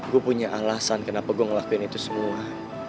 gue punya alasan kenapa gue ngelakuin itu semua